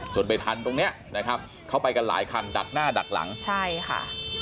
ไปทันตรงเนี้ยนะครับเขาไปกันหลายคันดักหน้าดักหลังใช่ค่ะ